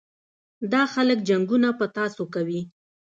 دا خلک جنګونه په تاسو کوي.